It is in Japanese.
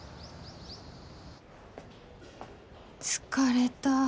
疲れた